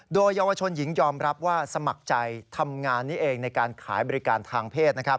โดยเยาวชนหญิงยอมรับว่าสมัครใจทำงานนี้เองในการขายบริการทางเพศ